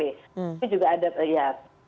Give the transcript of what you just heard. tapi juga ada ya